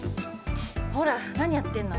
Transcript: ほらなにやってんの？